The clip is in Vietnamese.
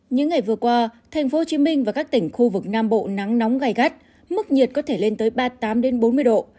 những ngày vừa qua tp hcm và các tỉnh khu vực nam bộ nắng nóng gai gắt mức nhiệt có thể lên tới ba mươi tám bốn mươi độ